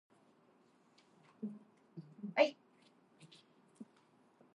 He lives in Bo'ness and his club was Sale Harriers.